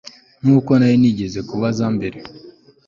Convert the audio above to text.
nk'uko nari nigeze kubaza mbere